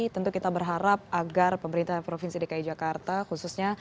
tentu kita berharap agar pemerintah provinsi dki jakarta khususnya